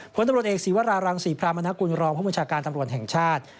ผลตำรวจเอกศีวรารังศรีพรามนกุลรองผู้บัญชาการตำรวจแห่งชาติ